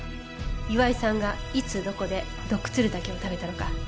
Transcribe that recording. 岩井さんがいつどこでドクツルタケを食べたのか。